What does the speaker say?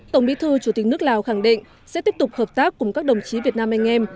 tổng bí thư chủ tịch nước lào khẳng định sẽ tiếp tục hợp tác cùng các đồng chí việt nam anh em